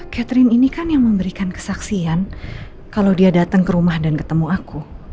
catherine ini kan yang memberikan kesaksian kalau dia datang ke rumah dan ketemu aku